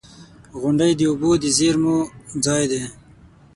• غونډۍ د اوبو د زیرمو ځای دی.